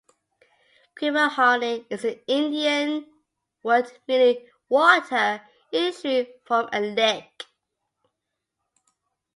"Quemahoning" is an Indian word meaning "water issuing from a lick.